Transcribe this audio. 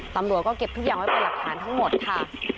ตำรวจก็เก็บทุกอย่างไว้เป็นหลักฐานทั้งหมดค่ะ